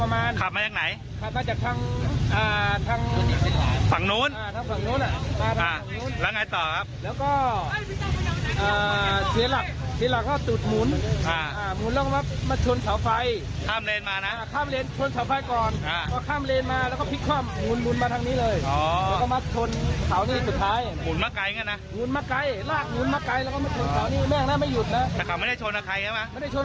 ลากถนสาวที่สุดท้ายหมุนมาไกลเนี่ยนะหมุนมาไกล